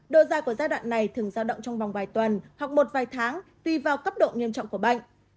độ da của giai đoạn này thường giao động trong vòng vài tuần hoặc một vài tháng tùy vào cấp độ nghiêm trọng của bệnh